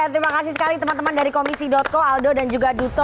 terima kasih sekali teman teman dari komisi co aldo dan juga duto